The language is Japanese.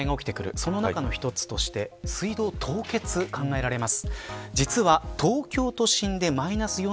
その中の１つとして水道凍結が考えられます。